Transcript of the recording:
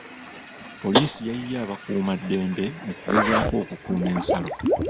Poliisi yayiye abakuumaddembe mu kugezaako okukuuma ensalo.